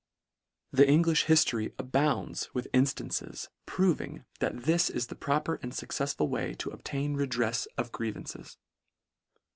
The Engliih hiftory abounds with instan ces, proving that this is the proper and fuc cefsful way to obtain redrefs of grievances.